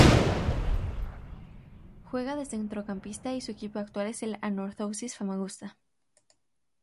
Juega de centrocampista y su equipo actual es el Anorthosis Famagusta.